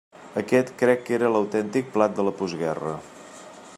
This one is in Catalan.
Aquest crec que era l'autèntic plat de la postguerra.